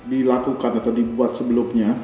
dilakukan atau dibuat sebelumnya